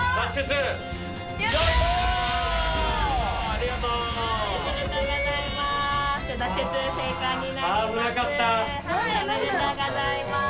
ありがとうございます。